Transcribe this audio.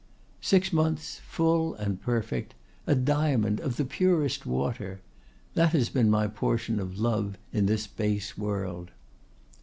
"Six months, full and perfect—a diamond of the purest water! That has been my portion of love in this base world.